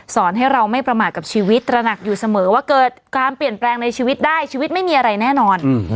ให้เราไม่ประมาทกับชีวิตตระหนักอยู่เสมอว่าเกิดการเปลี่ยนแปลงในชีวิตได้ชีวิตไม่มีอะไรแน่นอน